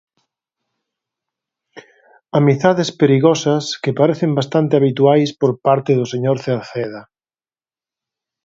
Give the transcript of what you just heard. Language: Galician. Amizades perigosas que parecen bastante habituais por parte do señor Cerceda.